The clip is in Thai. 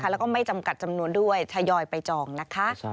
แล้วก็ไม่จำกัดจำนวนด้วยทยอยไปจองนะคะ